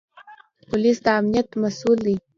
پولیس د امنیت مسوول دی